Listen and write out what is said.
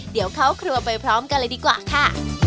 เดี๋ยวเข้าครัวไปพร้อมกันเลยดีกว่าค่ะ